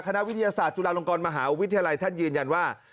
นักวิทยาศาสตร์จุฬาลงกรมหาวิทยาลัยท่านยืนยันว่า